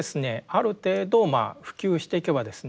ある程度まあ普及していけばですね